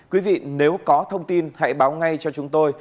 quý vị nếu có thông tin hãy báo ngay cho chúng tôi